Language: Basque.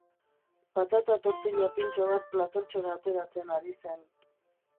Patata tortilla pintxo bat platertxora ateratzen ari zen.